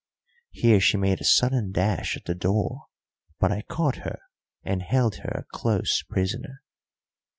Here she made a sudden dash at the door, but I caught her and held her a close prisoner.